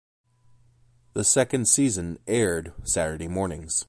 The second season aired Saturday mornings.